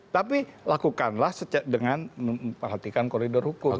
tapi lakukanlah dengan memperhatikan koridor hukum